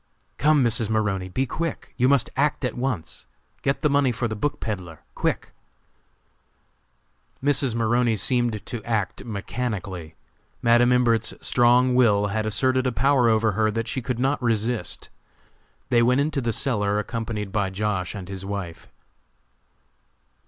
"Come, Mrs. Maroney, be quick! You must act at once! Get the money for the book peddler, quick!" Mrs. Maroney seemed to act mechanically. Madam Imbert's strong will had asserted a power over her that she could not resist. They went into the cellar accompanied by Josh. and his wife.